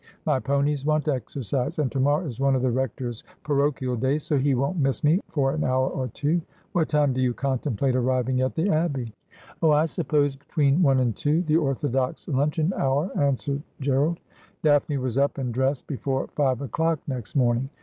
My ponies want exercise, and to morrow is one of the Rector's paro hial days, so he won't miss me or an hour or two. What time do you contemplate arriving at the Abbey ?'' Ob, I suppose between one and two, the orthodox luncheon hour,' answered Gerald. Daphne was up and dressed before five o'clock next morning.